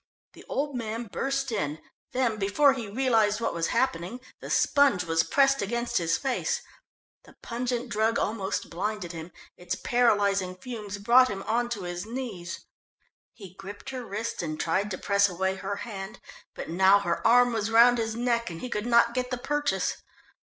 The old man burst in, then, before he realised what was happening, the sponge was pressed against his face. The pungent drug almost blinded him, its paralysing fumes brought him on to his knees. He gripped her wrist and tried to press away her hand, but now her arm was round his neck, and he could not get the purchase.